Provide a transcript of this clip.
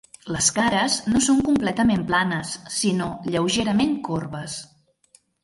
Les cares no són completament planes, sinó lleugerament corbes.